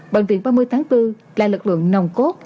bệnh viện ba mươi tháng bốn là lực lượng nồng cốt